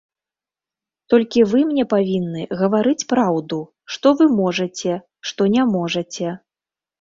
Толькі вы мне павінны гаварыць праўду, што вы можаце, што не можаце.